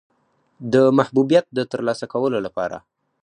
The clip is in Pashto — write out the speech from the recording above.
د محبوبیت د ترلاسه کولو لپاره.